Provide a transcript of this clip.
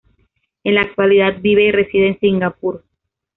En la actualidad vive y reside en Singapur.